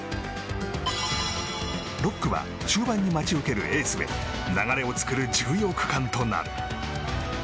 ６区は終盤に待ち受けるエースへ流れを作る重要区間となる。